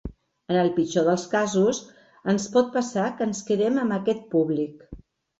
En el pitjor dels casos, ens pot passar que ens quedem amb aquest públic.